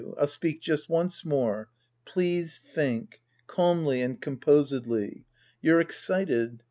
I'll speak just once more. Please think. Calmly and composedly. You're excited.